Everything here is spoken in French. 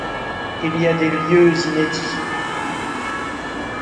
Il y a des lieux inédits.